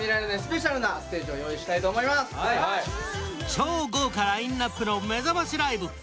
超豪華ラインアップのめざましライブ。